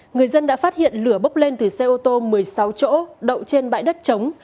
người dân đã phát hiện lửa bốc lên từ xe ô tô một mươi sáu chỗ đậu trên bãi đất trống